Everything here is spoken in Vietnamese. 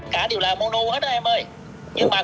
cả đều là mono hết đó em ơi